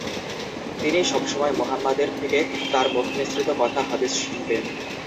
তিনি সবসময় মুহাম্মাদের থেকে তার মুখ নিসৃত কথা হাদিস শুনতেন।